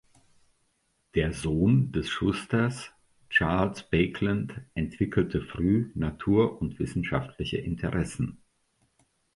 Der Sohn des Schusters Charles Baekeland entwickelte früh natur- und wirtschaftswissenschaftliche Interessen.